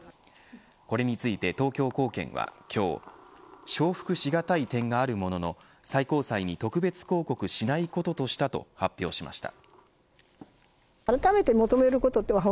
これについて東京高検は今日承服しがたい点があるものの最高裁に特別抗告しないこととしたと発表しました。